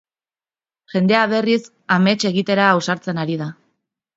Jendea berriz amets egitera ausartzen ari da.